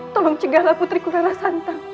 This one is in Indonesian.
tolong cegahlah putri kurara santang